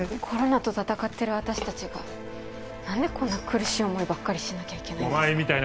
コロナと闘ってる私たちがなんでこんな苦しい思いばっかりしなきゃいけないんですか。